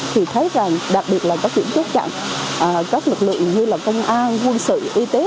thì thấy rằng đặc biệt là các điểm chốt chặn các lực lượng như là công an quân sự y tế